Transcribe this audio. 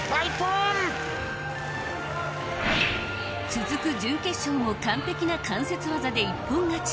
続く準決勝も完璧な関節技で一本勝ち。